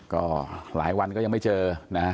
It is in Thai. ก็หลายวันก็ยังไม่เจอนะฮะ